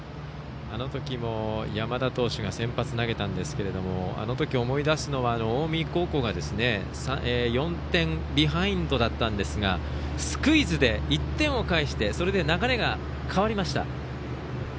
あのときも山田投手が先発、投げたんですがあのとき思い出すのは近江高校が４点ビハインドだったんですがスクイズで１点を返してそれで流れが変わりました。